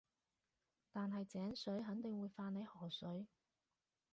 但係井水肯定會犯你河水